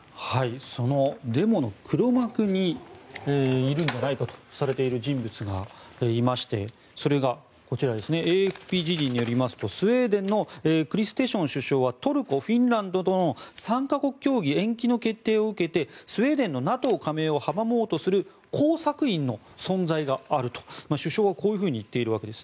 そのデモの黒幕がいるのではないかとされている人物がいましてそれがＡＦＰ時事によりますとスウェーデンのクリステション首相はトルコ、フィンランドとの３か国協議延期の決定を受けてスウェーデンのＮＡＴＯ加盟を阻もうとする工作員の存在があると首相がこういうふうに言っているわけです。